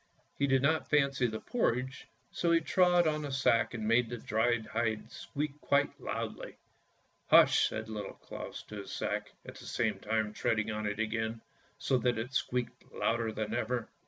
He did not fancy the porridge, so he trod on the sack and made the dried hide squeak quite loudly. "Hush! " said Little Claus to his sack, at the same time treading on it again, so that it squeaked louder than ever.